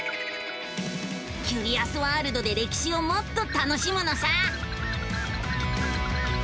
キュリアスワールドで歴史をもっと楽しむのさ！